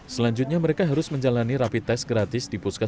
selanjutnya mereka harus menjalani rapi tes gratis di puskes